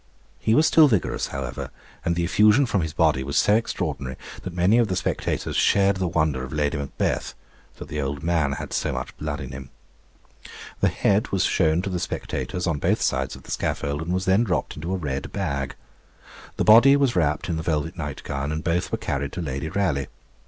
He was still vigorous, however, and the effusion from his body was so extraordinary, that many of the spectators shared the wonder of Lady Macbeth, that the old man had so much blood in him. The head was shown to the spectators, on both sides of the scaffold, and was then dropped into a red bag. The body was wrapt in the velvet night gown, and both were carried to Lady Raleigh.